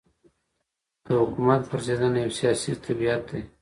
د حکومت پرځېدنه یو سیاسي طبیعت دی.